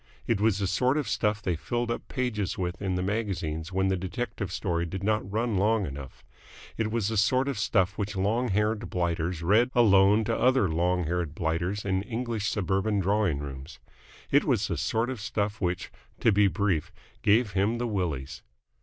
It was the sort of stuff they filled up pages with in the magazines when the detective story did not run long enough. It was the sort of stuff which long haired blighters read alone to other long haired blighters in English suburban drawing rooms. It was the sort of stuff which to be brief gave him the Willies.